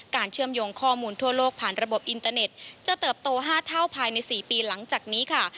เชื่อมโยงข้อมูลทั่วโลกผ่านระบบอินเตอร์เน็ตจะเติบโต๕เท่าภายใน๔ปีหลังจากนี้ค่ะ